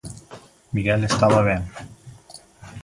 Miguel estaba ben.